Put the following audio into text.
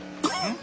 ん？